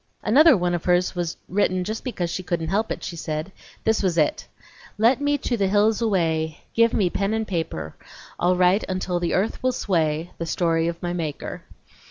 Another one of hers was written just because she couldn't help it, she said. This was it: 'Let me to the hills away, Give me pen and paper; I'll write until the earth will sway The story of my Maker.'"